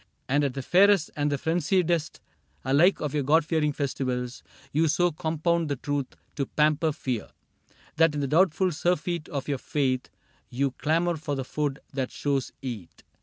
And at the fairest and the frenziedest Alike of your God fearing festivals. You so compound the truth to pamper fear That in the doubtful surfeit of your faith You clamor for the food that shadows eat.